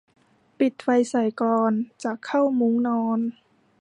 ปิดไฟใส่กลอน จะเข้ามุ้งนอน